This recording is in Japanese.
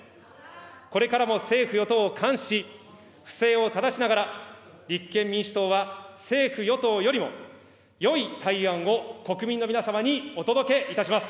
これからも政府・与党を監視し、不正をただしながら、立憲民主党は政府・与党よりもよい対案を国民の皆様にお届けいたします。